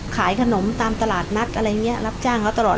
ขายขนมตามตลาดนัดรับจ้างเขาก็ตลอด